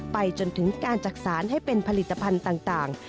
ไปจนถึงการจักษานให้เป็นผลิตภัณฑ์ต่าง